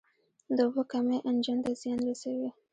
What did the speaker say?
د اوبو کمی انجن ته زیان رسوي.